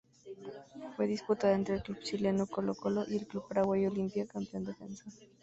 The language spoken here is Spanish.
Fue disputada entre el club chileno Colo-Colo y el club paraguayo Olimpia campeón defensor.